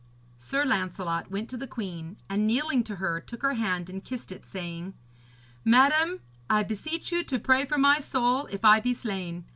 Sir Lancelot went to the queen and, kneeling to her, took her hand and kissed it, saying: 'Madam, I beseech you to pray for my soul if I be slain.